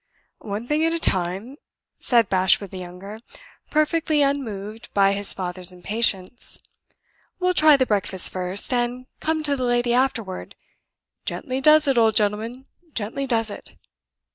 "One thing at a time," said Bashwood the younger, perfectly unmoved by his father's impatience. "We'll try the breakfast first, and come to the lady afterward! Gently does it, old gentleman gently does it!"